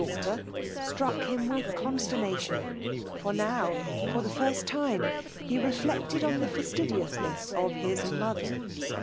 daughteiv^ struck him with consternation; for now, for t)ie first time, he reflected on the fastidiousness of his mother